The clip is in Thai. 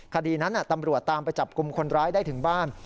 คดีนั้นตำรวจตามไปจับกลุ่มคนร้ายได้ถึงบ้าน